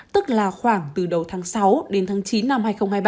tức là khoảng từ đầu tháng sáu đến tháng chín năm hai nghìn hai mươi ba